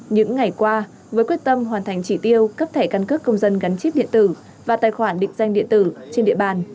những ngày qua với quyết tâm hoàn thành chỉ tiêu cấp thẻ căn cước công dân gắn chip điện tử và tài khoản định danh điện tử trên địa bàn